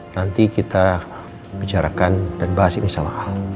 nanti kita bicarakan dan bahas ini sama al